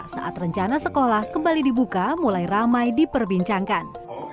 saat rencana sekolah kembali dibuka mulai ramai diperbincangkan